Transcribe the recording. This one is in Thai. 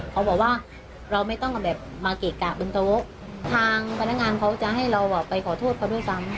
เขาบอกว่าเราไม่ต้องแบบมาเกะกะบนโต๊ะทางพนักงานเขาจะให้เราไปขอโทษเขาด้วยซ้ำ